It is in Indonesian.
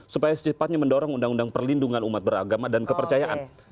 supaya secepatnya mendorong undang undang perlindungan umat beragama dan kepercayaan